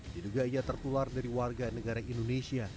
diduga ia tertular dari warga negara indonesia